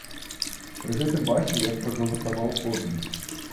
Пры гэтым бачна, як прагаласаваў кожны.